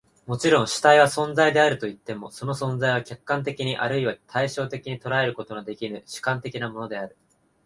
もちろん、主体は存在であるといっても、その存在は客観的に或いは対象的に捉えることのできぬ主観的なものである。